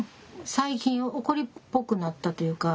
最近怒りっぽくなったというか。